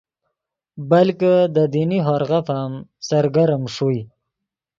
بلکہ دے دینی ہورغف ام سرگرم ݰوئے